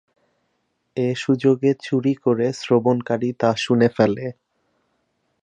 এ সুযোগে চুরি করে শ্রবণকারী তা শুনে ফেলে।